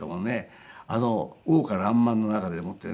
あの桜花爛漫の中でもってね